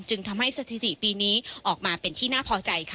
จึงทำให้สถิติปีนี้ออกมาเป็นที่น่าพอใจค่ะ